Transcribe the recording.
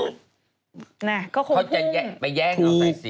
ต้องไปแย่งแส่สิน